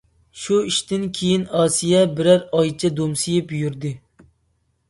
شۇ ئىشتىن كېيىن ئاسىيە بىرەر ئايچە دومسىيىپ يۈردى.